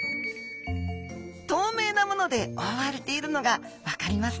透明なもので覆われているのが分かりますでしょうか？